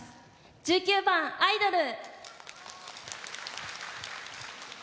１９番「アイドル」。